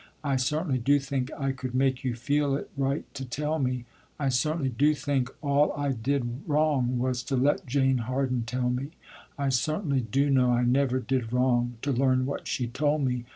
I certainly do think I could make you feel it right to tell me. I certainly do think all I did wrong was to let Jane Harden tell me. I certainly do know I never did wrong, to learn what she told me.